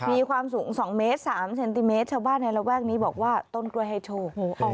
มีความสูง๒เมตร๓เซนติเมตรชาวบ้านในระแวกนี้บอกว่าต้นกล้วยให้โชค